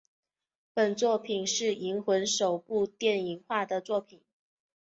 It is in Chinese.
本作品是银魂首部电影化的作品。